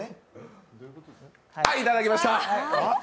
はい、いただきました。